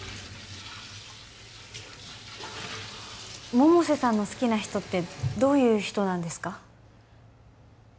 百瀬さんの好きな人ってどういう人なんですか？